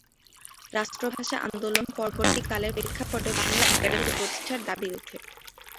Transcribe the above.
রাষ্ট্রভাষা আন্দোলন-পরবর্তী কালের প্রেক্ষাপটে বাংলা একাডেমি প্রতিষ্ঠার দাবি ওঠে।